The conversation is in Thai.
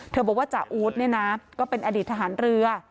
บอกว่าจ่าอู๊ดเนี่ยนะก็เป็นอดีตทหารเรือ